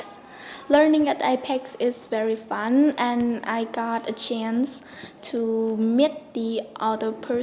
học ở apex rất vui và tôi có cơ hội gặp người khác và gặp bạn